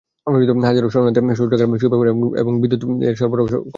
হাজারো শরণার্থীর শৌচাগার, সুপেয় পানি এবং বিদ্যুতের সরবরাহও করতে হচ্ছে ব্যবসায়ীদের।